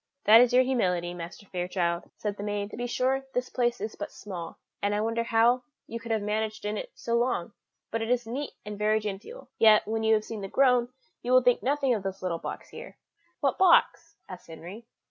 "That is your humility, Master Fairchild," said the maid; "to be sure, this place is but small, and I wonder how you could have managed in it so long, but it is neat and very genteel; yet, when you have seen The Grove, you will think nothing of this little box here." "What box?" asked Henry.